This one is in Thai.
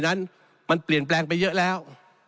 นั้นมันเปลี่ยนแปลงไปเยอะแล้ว